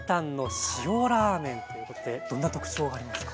ということでどんな特徴がありますか？